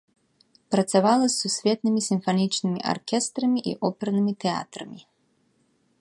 Працавала з сусветнымі сімфанічнымі аркестрамі і опернымі тэатрамі.